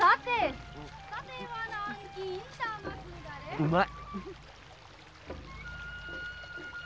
うまい。